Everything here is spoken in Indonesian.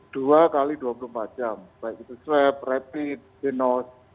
dua kali dua puluh empat jam baik itu srep repit ginus